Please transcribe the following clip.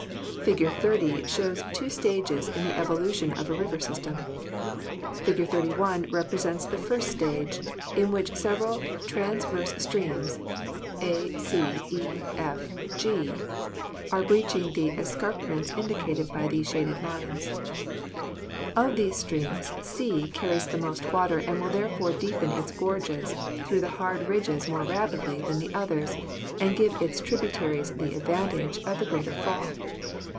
Fig. 30 shows two stages in the evolution of a river system. Fig. 31 represents the first stage, in which several transverse streams, a, c, e, f, g, are breaching the escarp ments indicated by shaded lines. Of these streams, c carries the most water and will therefore deepen its gorges through the hard ridges more rapidly than the others and give its tributaries the advantage of a greater fall.